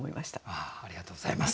ありがとうございます。